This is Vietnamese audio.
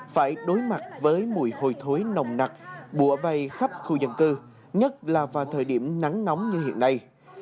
phải đối mặt với mùi hôi thối nồng nặc bùa vây khắp khu dân cư nhất là vào thời điểm nắng nóng như hiện nay